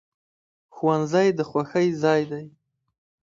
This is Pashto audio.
ښوونځی د خوښۍ ځای دی